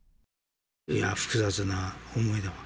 いや、複雑な思いだわ。